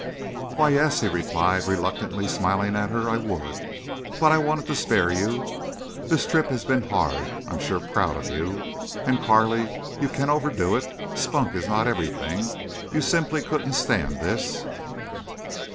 "Why, yes," he replied, reluctantly, smiling at her, "I would. But I wanted to spare you. This trip has been hard. I'm sure proud of you. And, Carley—you can overdo it. Spunk is not everything. You simply couldn't stand this."